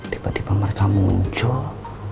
tiba tiba mereka muncul